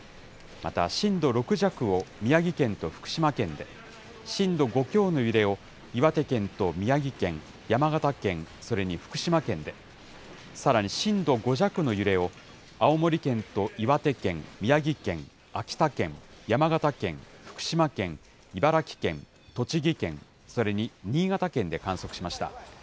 また、震度６弱を宮城県と福島県で、震度５強の揺れを岩手県と宮城県、山形県、それに福島県で、さらに震度５弱の揺れを青森県と岩手県、宮城県、秋田県、山形県、福島県、茨城県、栃木県、それに新潟県で観測しました。